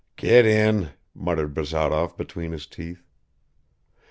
"Get in," muttered Bazarov between his teeth.